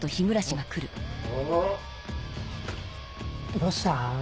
どうした？